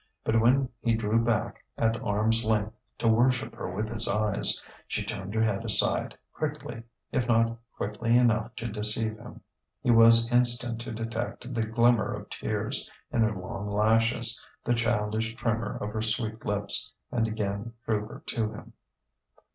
But when he drew back at arm's length to worship her with his eyes, she turned her head aside quickly, if not quickly enough to deceive him. He was instant to detect the glimmer of tears in her long lashes, the childish tremor of her sweet lips, and again drew her to him.